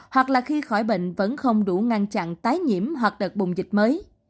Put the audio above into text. hoặc là khi khỏi bệnh vẫn không đủ ngăn chặn tái nhiễm hoặc đợt bùng dịch mới